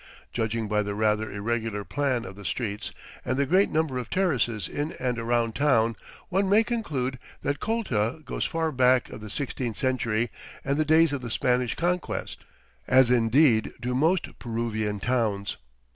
Judging by the rather irregular plan of the streets and the great number of terraces in and around town, one may conclude that Colta goes far back of the sixteenth century and the days of the Spanish Conquest, as indeed do most Peruvian towns.